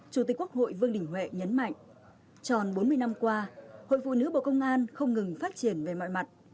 chủ tịch quốc hội vương đình huệ nhấn mạnh tròn bốn mươi năm qua hội phụ nữ bộ công an không ngừng phát triển về mọi mặt